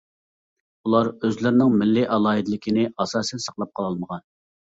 ئۇلار ئۆزلىرىنىڭ مىللىي ئالاھىدىلىكىنى ئاساسەن ساقلاپ قالالمىغان.